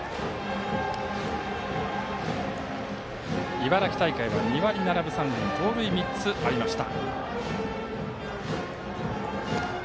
茨城大会は２割７分３厘盗塁が３つありました。